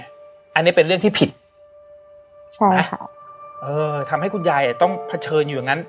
อันนี้เป็นเรื่องที่ผิดใช่ไหมเออทำให้คุณยายอ่ะต้องเผชิญอยู่อย่างนั้น